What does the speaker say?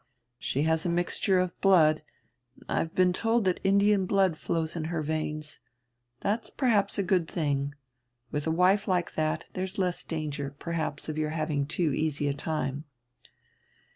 She has a mixture of blood, I've been told that Indian blood flows in her veins. That's perhaps a good thing. With a wife like that, there's less danger, perhaps, of your having too easy a time."